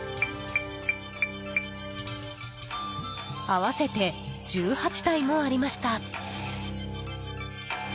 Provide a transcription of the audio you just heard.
合わせて１８体もありました。